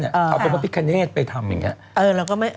เอาเป็นพระพิคเนธไปทำอย่างนี้